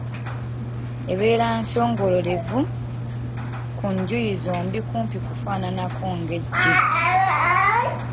Ebeera nsongererevu ku njuyi zombi kumpi kufaananako ng'eggi.